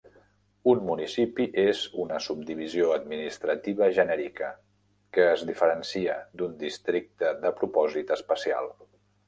Un municipi és una subdivisió administrativa genèrica, que es diferencia d'un districte de propòsit especial.